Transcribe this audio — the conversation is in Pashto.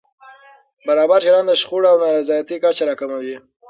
برابر چلند د شخړو او نارضایتۍ کچه راکموي.